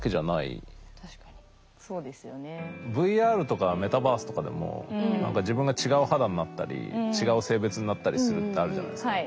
ＶＲとかメタバースとかでも何か自分が違う肌になったり違う性別になったりするってあるじゃないですか。